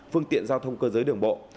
phương tiện giao thông cơ giới đường bộ